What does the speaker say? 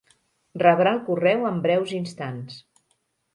Rebrà el correu en breus instants.